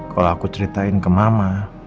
kalau aku ceritain ke mama